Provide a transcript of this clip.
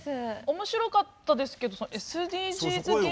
面白かったですけどＳＤＧｓ芸人。